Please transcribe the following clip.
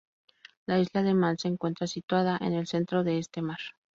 La isla de Man se encuentra situada en el centro de este mar.